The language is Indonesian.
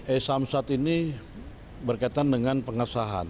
e samsat ini berkaitan dengan pengesahan